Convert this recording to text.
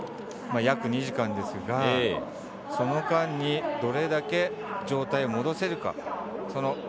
約２時間ですが、その間にどれだけ状態を戻せるのか。